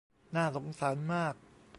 น่าสงสารมาก